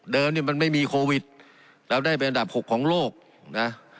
เนี่ยมันไม่มีโควิดเราได้เป็นอันดับ๖ของโลกนะ